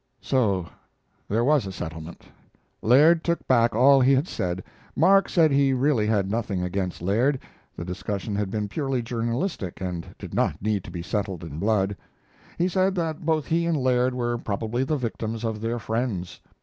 So there was a settlement. Laird took back all he had said; Mark said he really had nothing against Laird the discussion had been purely journalistic and did not need to be settled in blood. He said that both he and Laird were probably the victims of their friends.